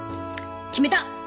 決めた！